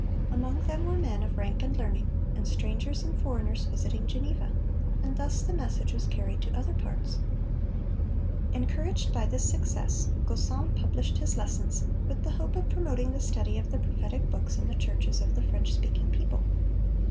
Among them were men of rank and learning, and strangers and foreigners visiting Geneva; and thus the message was carried to other parts. Encouraged by this success, Gaussen published his lessons, with the hope of promoting the study of the prophetic books in the churches of the French speaking people.